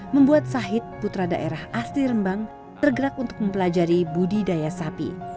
membuat sahit putra daerah asli rembang tergerak untuk mempelajari budidaya sapi